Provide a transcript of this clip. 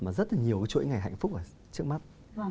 mà rất là nhiều cái chuỗi ngày hạnh phúc trước mắt